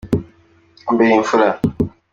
Wambereye imfura